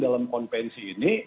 dalam konvensi ini